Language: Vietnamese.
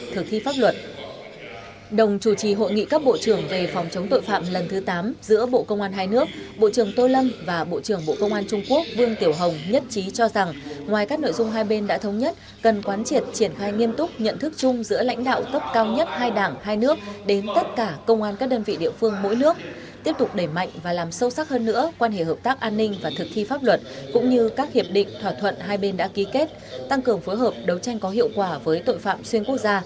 thi pháp luật đồng chủ trì hội nghị các bộ trưởng về phòng chống tội phạm lần thứ tám giữa bộ công an hai nước bộ trưởng tô lâm và bộ trưởng bộ công an trung quốc vương tiểu hồng nhất trí cho rằng ngoài các nội dung hai bên đã thống nhất cần quán triển triển khai nghiêm túc nhận thức chung giữa lãnh đạo tốc cao nhất hai đảng hai nước đến tất cả công an các đơn vị địa phương mỗi nước tiếp tục đẩy mạnh và làm sâu sắc hơn nữa quan hệ hợp tác an ninh và thực thi pháp luật cũng như các hiệp định thỏa thuận hai bên đã ký kết tăng cường phối hợp đấu tranh có hiệu